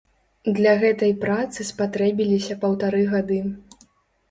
Для гэтай працы спатрэбіліся паўтары гады.